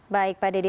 baik pak dedy